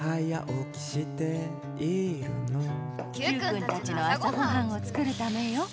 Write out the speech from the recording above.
Ｑくんたちの朝ごはんを作るためよ。